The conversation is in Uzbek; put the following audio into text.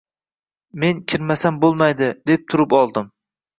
Men “kirmasam bo’lmaydi”, deb turib oldim.